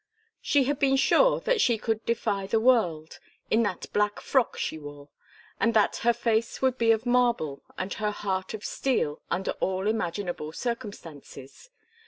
She had been sure that she could defy the world in that black frock she wore and that her face would be of marble and her heart of steel under all imaginable circumstances.